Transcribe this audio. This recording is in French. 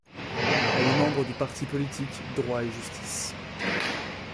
Elle est membre du parti politique Droit et Justice.